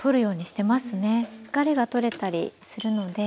疲れが取れたりするので。